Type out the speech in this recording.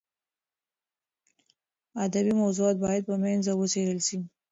ادبي موضوعات باید په مینه وڅېړل شي.